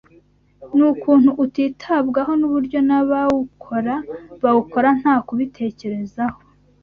ni ukuntu utitabwaho n’uburyo n’abawukora bawukora nta kubitekerezaho